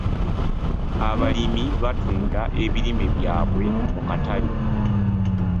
Abalimi batunda ebirime byabwe mu katale.